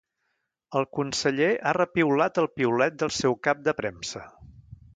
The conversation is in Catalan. El conseller ha repiulat el piulet del seu cap de premsa.